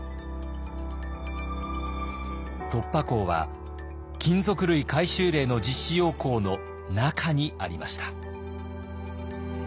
突破口は金属類回収令の実施要網の中にありました。